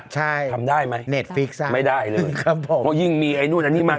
ใช่ทำได้ไหมเน็ตฟิกซะไม่ได้เลยครับผมเพราะยิ่งมีไอ้นู่นอันนี้มา